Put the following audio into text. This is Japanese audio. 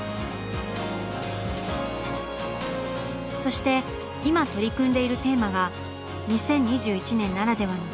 そして今取り組んでいるテーマが２０２１年ならではの大問題。